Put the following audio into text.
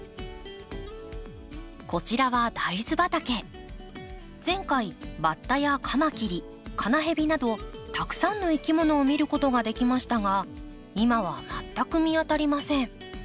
こちらは前回バッタやカマキリカナヘビなどたくさんのいきものを見ることができましたが今は全く見当たりません。